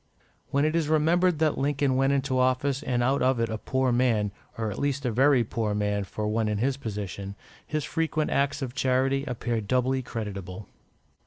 When it is remembered that Lincoln went into office and out of it a poor man, or at least a very poor man for one in his position, his frequent acts of charity appear doubly creditable.